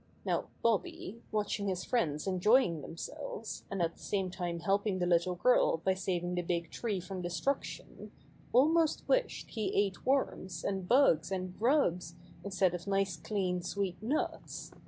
Now Bobby, watching his friends enjoying themselves, and at the same time helping the little girl by saving the big tree from destruc tion, almost wished he ate worms and bugs and grubs instead of nice clean, sweet nuts.